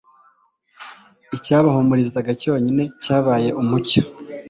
icyabahumurizaga cyonyine cyabaye umucyo